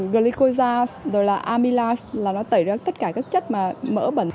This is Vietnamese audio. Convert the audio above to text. glycosase amylase là nó tẩy ra tất cả các chất mỡ bệnh